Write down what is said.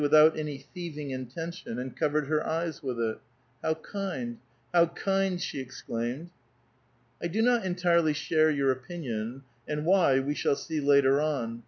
297 ^nt any thieving intention, and covered her eyes with it: *'How kind ! how kind !" she exclaimed. "I do not entirely share your opinion, and why, we shall see later on.